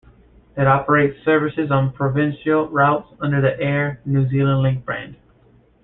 It operates services on provincial routes under the Air New Zealand Link brand.